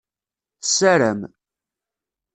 Tessaram.